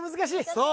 そう。